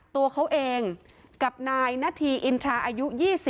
ตัวเขาเองกับนายนาธีอินทราอายุ๒๐